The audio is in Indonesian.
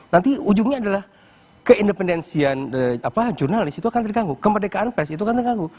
nanti ujungnya adalah keindependensian jurnalis itu akan terganggu kemerdekaan pers itu akan terganggu